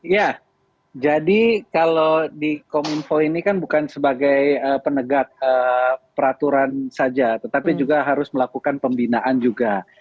ya jadi kalau di kominfo ini kan bukan sebagai penegak peraturan saja tetapi juga harus melakukan pembinaan juga